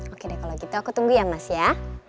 oke deh kalau gitu aku tunggu ya mas ya